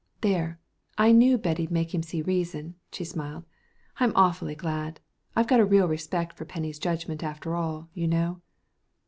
"There, I knew Betty'd make him see reason," she smiled. "I'm awfully glad. I've a real respect for Penny's judgment after all, you know."